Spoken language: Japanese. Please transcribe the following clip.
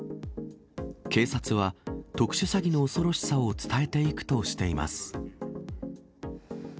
警察は特殊詐欺の恐ろしさを伝えていくとしています。